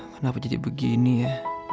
kenapa jadi begini ya